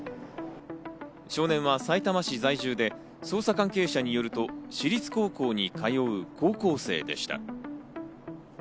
少年はさいたま市在住で捜査関係者によると、私立高校に通う高校生でした。